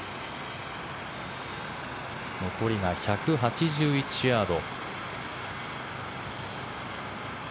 残りが１８１ヤード。